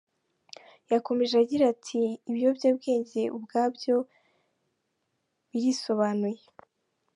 Yakomeje agira ati :" Ibiyobyabwenge ubwabyo birisobanuye.